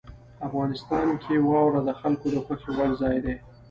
افغانستان کې واوره د خلکو د خوښې وړ ځای دی.